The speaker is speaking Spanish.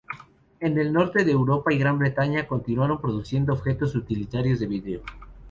En el norte de Europa y Gran Bretaña continuaron produciendo objetos utilitarios de vidrio.